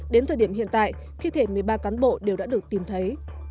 đến thời điểm hiện tại thi thể một mươi ba cán bộ đều đã được tìm thấy